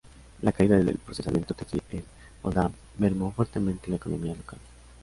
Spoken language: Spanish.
La caída del procesamiento textil en Oldham mermó fuertemente la economía local.